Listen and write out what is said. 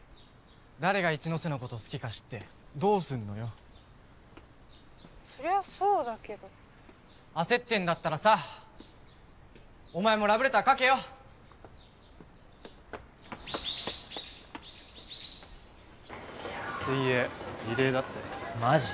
誰が一ノ瀬のこと好きか知ってどうすんのよそりゃそうだけど焦ってんだったらさお前もラブレター書けよ水泳リレーだってマジ？